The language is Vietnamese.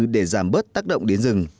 để giảm bớt tác động đến rừng